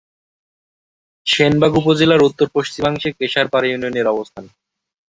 সেনবাগ উপজেলার উত্তর-পশ্চিমাংশে কেশারপাড় ইউনিয়নের অবস্থান।